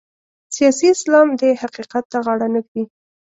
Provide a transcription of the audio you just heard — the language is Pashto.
سیاسي اسلام دې حقیقت ته غاړه نه ږدي.